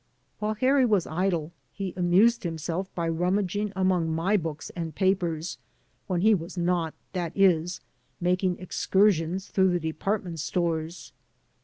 While Harry was idle he amused himself by rummaging among my books and papers — when he was not, that is, making excursions through the department stores.